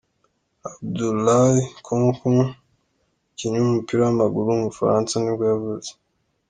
Abdoulay Konko, umukinnyi w’umupira w’amaguru w’umufaransa nibwo yavutse.